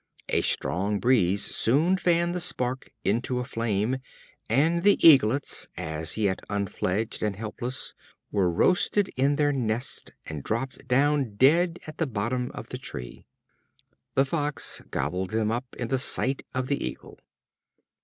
A strong breeze soon fanned the spark into a flame, and the eaglets, as yet unfledged and helpless, were roasted in their nest and dropped down dead at the bottom of the tree. The Fox gobbled them up in the sight of the Eagle.